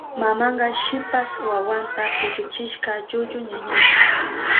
Mamanka shipas wawanta pilluchishka llullu ñañanta.